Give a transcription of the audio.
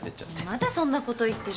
まだそんなこと言ってる。